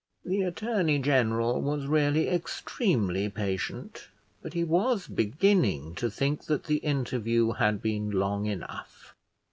The attorney general was really extremely patient, but he was beginning to think that the interview had been long enough.